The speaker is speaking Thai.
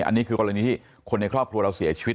อันนี้คือกรณีที่คนในครอบครัวเราเสียชีวิต